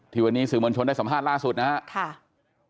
วันนี้สื่อมวลชนได้สัมภาษณ์ล่าสุดนะครับ